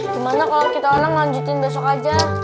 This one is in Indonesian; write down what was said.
gimana kalau kita orang lanjutin besok aja